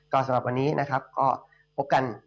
ก็สำหรับวันนี้นะครับก็พบกัน